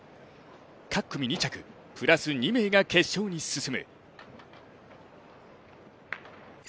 各組２着プラス２名が決勝に進む。